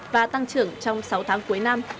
và tăng trưởng trong sáu tháng cuối năm